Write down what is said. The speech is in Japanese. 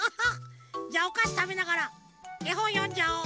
じゃおかしたべながらえほんよんじゃおう！